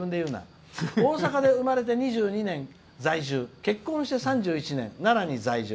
大阪で生まれて２２年、在住結婚して３１年、奈良に在住。